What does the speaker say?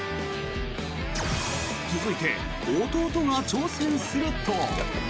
続いて、弟が挑戦すると。